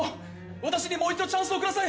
私にもう一度チャンスをください！